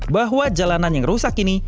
bahwa jalanan yang rusak ini